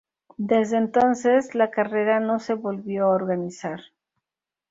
Desde entonces, la carrera no se volvió a organizar.